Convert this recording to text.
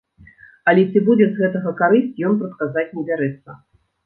Але ці будзе з гэтага карысць, ён прадказаць не бярэцца.